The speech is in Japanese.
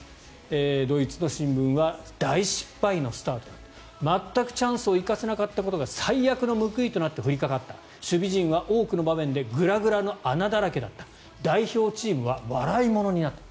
ドイツの新聞は大失敗のスタート全くチャンスを生かせなかったことが最悪の報いとなって降りかかった守備陣は多くの場面でグラグラの穴だらけだった代表チームは笑いものになった。